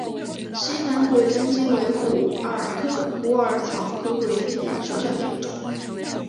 西南鬼灯檠为虎耳草科鬼灯檠属下的一个种。